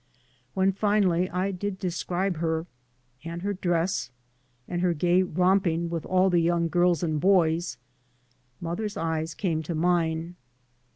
When finally I did describe her, and her dress, and her gay romp ing with all the young girls and boys, mother's eyes came to mine.